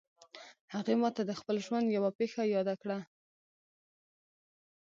هغې ما ته د خپل ژوند یوه پېښه یاده کړه